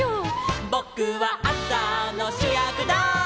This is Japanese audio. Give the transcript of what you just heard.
「ぼくはあさのしゅやくだい」